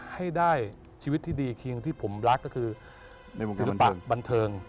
ให้ได้ชีวิตที่ดีเพียงที่ผมรักก็คือในวงศิลปะบันเทิง